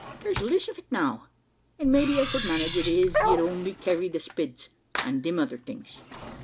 There's liss of it now; an' maybe I could manage it, iv you'ld only carry the spids, an' thim other things.